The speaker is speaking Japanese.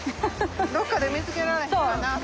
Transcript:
どっかで見つけられへんかなと。